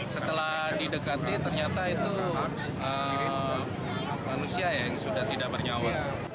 setelah didekati ternyata itu manusia yang sudah tidak bernyawa